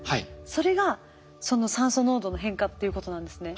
それがその酸素濃度の変化っていうことなんですね。